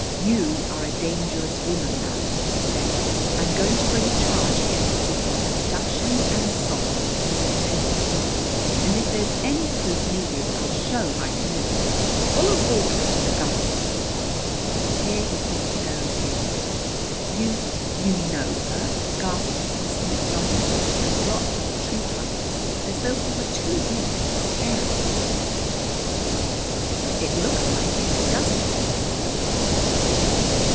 "You are a dangerous woman, madam," he said. "I'm going to bring a charge against you for abduction and assault with intent to kill. And if there's any proof needed I'll show my canoe, full of water to the gunwale." Here he kissed the girl again. "You you know her?" gasped Mr. McDonald, and dropped on a tree trunk, as though he were too weak to stand. "It looks like it, doesn't it?"